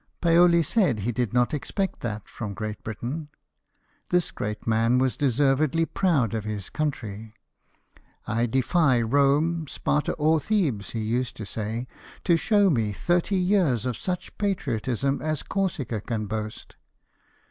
Paoli said he did not expect that from Great Britain. This great man was deservedly proud of his country. " I defy Kome, Sparta, or Thebes," he used to say, " to show me thirty years of such patriotism as Corsica can boast